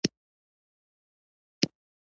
تنور د افغانو ښځو عزت دی